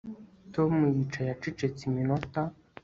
Tom yicaye acecetse iminota